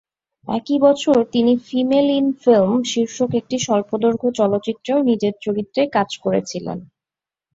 একই বছর তিনি "ফিমেল ইন ফিল্ম" শীর্ষক একটি স্বল্পদৈর্ঘ্য চলচ্চিত্রেও নিজের চরিত্রে কাজ করেছিলেন।